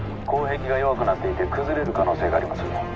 坑壁が弱くなっていて崩れる可能性があります